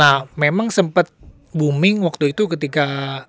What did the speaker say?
nah memang sempet booming waktu itu ketika